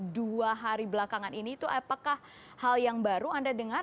dua hari belakangan ini itu apakah hal yang baru anda dengar